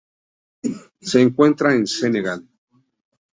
Se encuentra en Senegal.